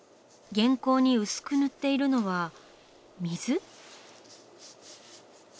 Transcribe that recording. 原稿に薄く塗っているのは水？